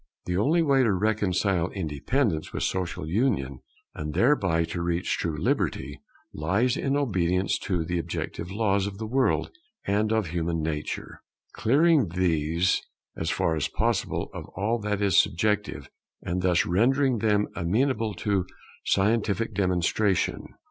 The only way to reconcile independence with social union, and thereby to reach true liberty, lies in obedience to the objective laws of the world and of human nature; clearing these as far as possible of all that is subjective, and thus rendering them amenable to scientific demonstration.